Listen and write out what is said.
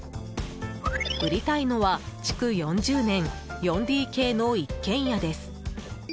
売りたいのは築４０年、４ＤＫの一軒家です。